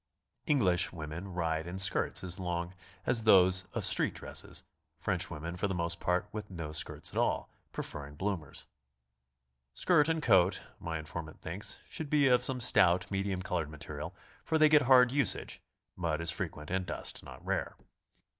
(Eng lish women ride in skirts as long as those of street dresses; French women for the most part with no skirts at all, pre ferring bloomers.) Skirt and coat, my informant thinks, should be of some stout, mediuim colored material, for they get hard usage, mud is frequent, and dust not rare.